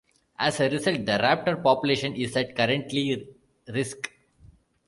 As a result, the raptor population is at currently risk.